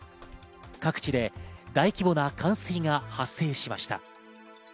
各地で大規模な冠水が発生しました。